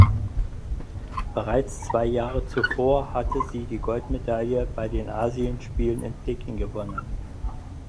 Bereits zwei Jahre zuvor hatte sie die Goldmedaille bei den Asienspielen in Peking gewonnen.